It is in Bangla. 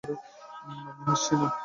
আমি হাসছি না!